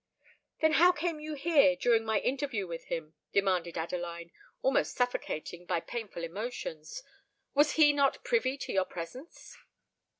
"Then how came you here during my interview with him?" demanded Adeline, almost suffocated by painful emotions. "Was he not privy to your presence?"